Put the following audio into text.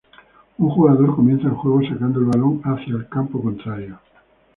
Un jugador comienza el juego sacando el balón hacia el campo contrario.